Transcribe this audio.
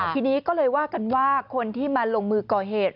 ทีนี้ก็เลยว่ากันว่าคนที่มาลงมือก่อเหตุ